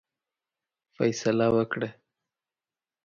فیصله وکړه.